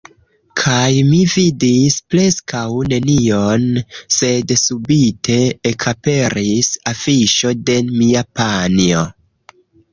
Kaj mi vidis preskaŭ nenion, sed subite, ekaperis afiŝo de mia panjo.